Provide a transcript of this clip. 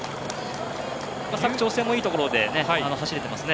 佐久長聖もいいところで走れていますね。